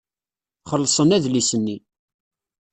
Xellṣen adlis-nni.